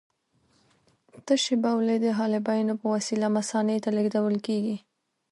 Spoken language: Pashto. تشې بولې د حالبیونو په وسیله مثانې ته لېږدول کېږي.